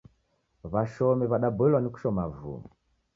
W'ashomi w'adaboilwa ni kushoma vuo.